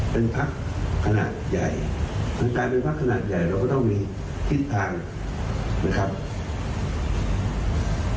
เป็นพักขนาดใหญ่มันกลายเป็นพักขนาดใหญ่เราก็ต้องมีทิศทางนะครับ